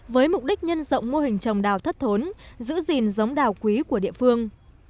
với mục đích nhân rộng mô hình trồng đào thất thốn giữ gìn giống đào quý của địa phương